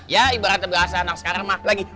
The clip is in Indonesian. ya ibaratnya biasa anak sekarang mah lagi